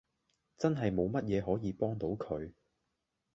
真係冇乜嘢可以幫到佢